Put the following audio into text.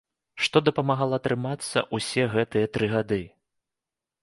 Што дапамагала трымацца ўсе гэтыя тры гады?